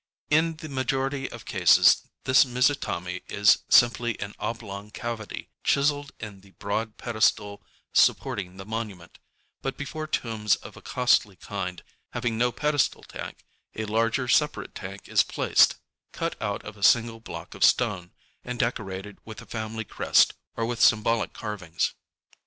In the majority of cases this mizutam├® is simply an oblong cavity chiseled in the broad pedestal supporting the monument; but before tombs of a costly kind, having no pedestal tank, a larger separate tank is placed, cut out of a single block of stone, and decorated with a family crest, or with symbolic carvings.